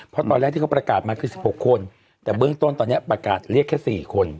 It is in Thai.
เพราะตอนแรกที่เขาประกาศมาคือ๑๖คนแต่เบื้องต้นตอนนี้ประกาศเรียกแค่๔คน